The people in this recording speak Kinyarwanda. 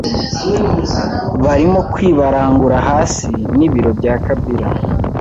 barimo kwibarangura hasi n’ibilo bya Kabila,